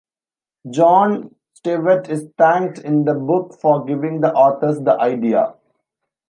Jon Stewart is thanked in the book "for giving the authors the idea".